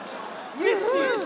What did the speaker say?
うれしい。